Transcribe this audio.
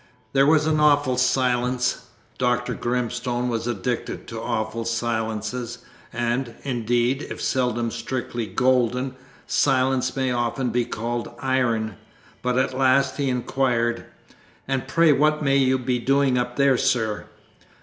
There was an awful silence (Dr. Grimstone was addicted to awful silences; and, indeed, if seldom strictly "golden," silence may often be called "iron"), but at last he inquired, "And pray what may you be doing up there, sir?"